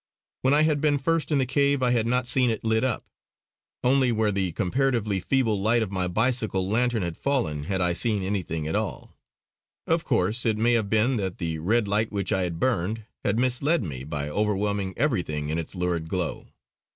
When I had been first in the cave I had not seen it lit up. Only where the comparatively feeble light of my bicycle lantern had fallen had I seen anything at all. Of course it may have been that the red light which I had burned had misled me by overwhelming everything in its lurid glow.